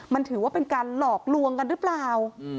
มันถือว่าเป็นการหลอกลวงกันหรือเปล่า